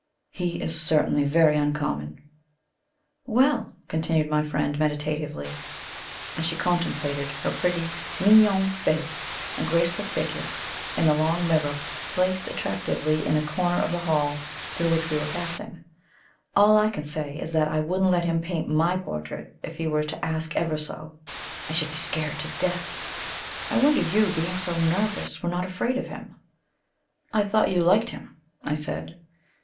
"He is certainly very uncommon." "Well!" continued my friend meditatively, as she contemplated her pretty mignonne face and graceful figure in a long mirror placed attractively in a corner of the hall through which we were passing; "all I can say is that I wouldn't let him paint MY portrait if he were to ask ever so! I should be scared to death. I wonder you, being so nervous, were not afraid of him." "I thought you liked him," I said.